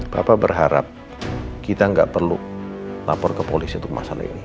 bapak berharap kita tidak perlu lapor ke polisi untuk masalah ini